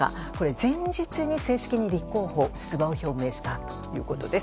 前日に正式に立候補出馬を表明したということです。